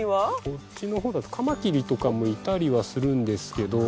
こっちの方だとカマキリとかもいたりはするんですけど。